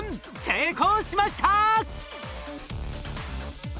成功しました！